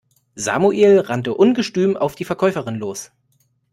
Samuel rannte ungestüm auf die Verkäuferin los.